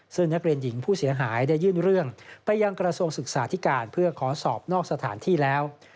ซึ่งนักเรียนหญิงผู้เสียหายได้ยื่นเรื่องไปยังกระทรวงศึกษาธิการเพื่อขอสอบนอกสถานที่แล้ว